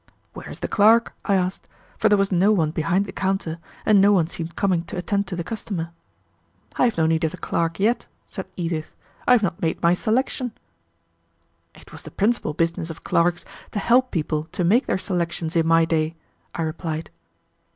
"Where is the clerk?" I asked, for there was no one behind the counter, and no one seemed coming to attend to the customer. "I have no need of the clerk yet," said Edith; "I have not made my selection." "It was the principal business of clerks to help people to make their selections in my day," I replied.